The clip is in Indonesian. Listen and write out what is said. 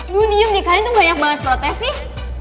gue diem deh kalian tuh banyak banget protes sih